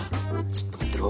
ちっと待ってろ。